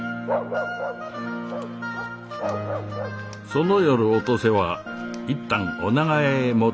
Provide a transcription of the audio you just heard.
その夜お登勢は一旦御長屋へ戻った。